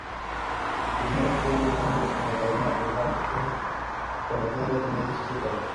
Primero, empezó enseñando en la Academia Brigham Young cuando todavía tenía diecisiete años.